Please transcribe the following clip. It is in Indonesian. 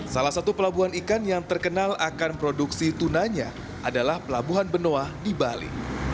salah satu pelabuhan ikan yang terkenal akan produksi tunanya adalah pelabuhan benoa di bali